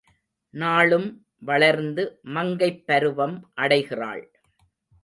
நாளும் வளர்ந்து மங்கைப் பருவம் அடைகிறாள்.